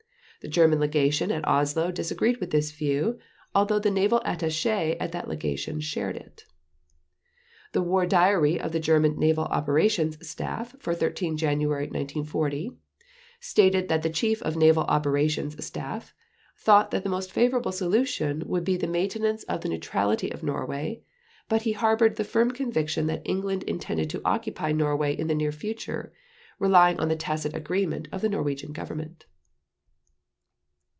The German Legation at Oslo disagreed with this view, although the Naval Attaché at that Legation shared it. The War Diary of the German Naval Operations Staff for 13 January 1940 stated that the Chief of the Naval Operations Staff thought that the most favorable solution would be the maintenance of the neutrality of Norway, but he harbored the firm conviction that England intended to occupy Norway in the near future relying on the tacit agreement of the Norwegian Government.